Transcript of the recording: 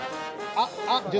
あっ！